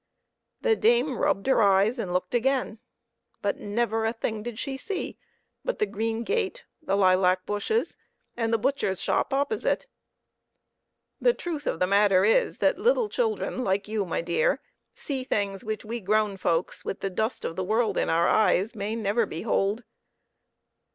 The dame rubbed her eyes and looked again, but never a thing did she see but the green gate, the lilac bushes, and the butcher's shop opposite. The truth of the matter is, that little children like you, my dear, see things which we grown folks, with the dust of the world in our eyes, may never behold.